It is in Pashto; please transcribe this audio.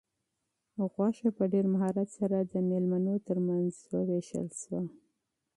غوښه په ډېر مهارت سره د مېلمنو تر منځ وویشل شوه.